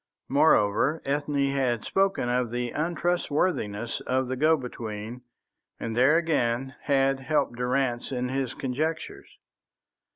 Moreover, Ethne had spoken of the untrustworthiness of the go between, and there again had helped Durrance in his conjectures.